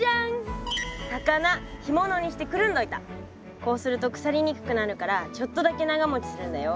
こうすると腐りにくくなるからちょっとだけ長もちするんだよ。